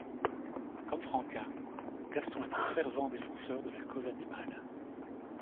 Comme Franquin, Gaston est un fervent défenseur de la cause animale.